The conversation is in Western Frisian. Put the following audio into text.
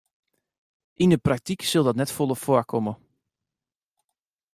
Yn 'e praktyk sil dat net folle foarkomme.